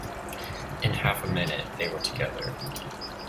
In half a minute they were together.